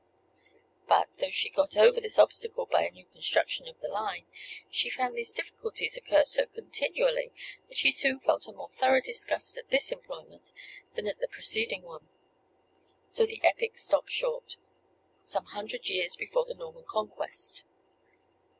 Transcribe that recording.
But, though she got over this obstacle by a new construction of the line, she found these difficulties occur so continually that she soon felt a more thorough disgust at this employment than at the preceding one. So the epic stopped short, some hundred years before the Norman conquest.